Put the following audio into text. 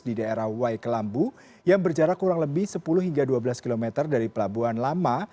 di daerah waikelambu yang berjarak kurang lebih sepuluh hingga dua belas km dari pelabuhan lama